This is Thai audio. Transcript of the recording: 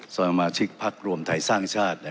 สมาชิกพักรวมไทยสร้างชาติ